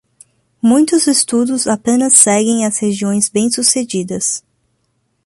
Muitos estudos apenas seguem as regiões bem sucedidas.